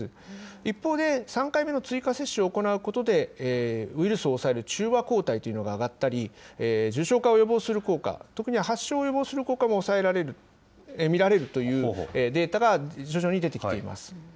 一方で、３回目の追加接種を行うことで、ウイルスを抑える中和抗体というのが上がったり、重症化を予防する効果、特に発症を予防する効果も抑えられると見られるというデータが徐々に出てきています。